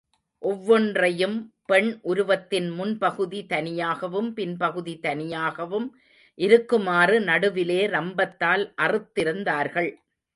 ஒவ்வொன்றையும் பெண் உருவத்தின் முன்பகுதி தனியாகவும், பின்பகுதி தனியாகவும் இருக்குமாறு நடுவிலே ரம்பத்தால் அறுத்திருந்தார்கள்.